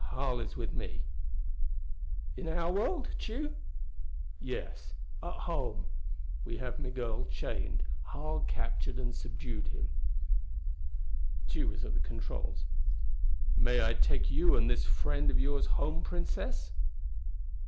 Harl is with them." "In our world, Tugh?" "Yes; at home. And we have Migul chained. Harl captured and subdued him." Tugh was at the controls. "May I take you and this friend of yours home, Princess?"